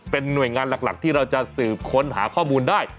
เป็นหน่วยงานหลักที่เราจะสืบค้นหาข้อมูลได้